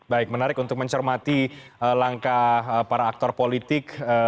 baik menarik untuk mencermati langkah para aktor politik